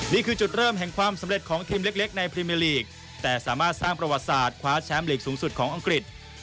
นี่คือจุดเริ่มแห่งความสำเร็จของทีมเล็กในพรีเมอร์ลีกแต่สามารถสร้างประวัติศาสตร์คว้าแชมป์ลีกสูงสุดของอังกฤษ